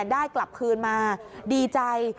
ได้กลับคืนมาดีใจ